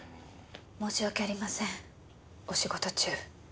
申し訳ありませんお仕事中。